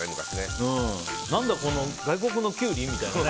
何だこの外国のキュウリ？みたいなね。